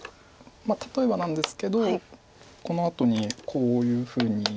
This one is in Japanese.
例えばなんですけどこのあとにこういうふうに。